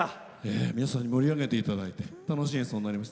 盛り上げていただいて楽しい演奏になりました。